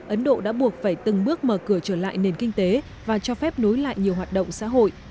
ấn độ đã buộc phải từng bước mở cửa trở lại nền kinh tế và cho phép nối lại nhiều hoạt động xã hội